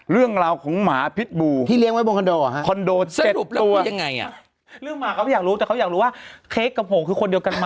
เรื่องหมาเขาเก็บแล้วว่าต้องไปหาที่อยู่ใหม่